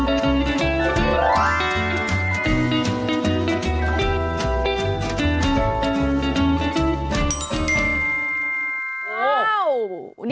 โอ้โฮนี่ไง